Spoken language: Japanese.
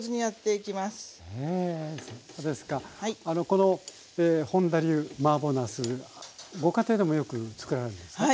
この本田流マーボーなすご家庭でもよく作られるんですか？